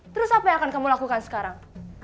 terus apa yang akan kamu lakukan sekarang